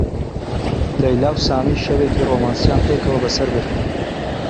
لەیلا و سامی شەوێکی ڕۆمانسییان پێکەوە بەسەر برد.